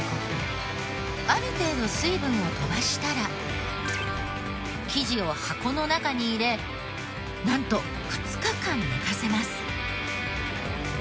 ある程度水分を飛ばしたら生地を箱の中に入れなんと２日間寝かせます。